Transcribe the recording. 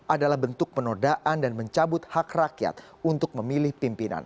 adalah bentuk penodaan dan mencabut hak rakyat untuk memilih pimpinan